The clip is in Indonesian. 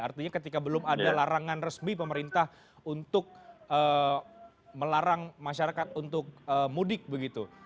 artinya ketika belum ada larangan resmi pemerintah untuk melarang masyarakat untuk mudik begitu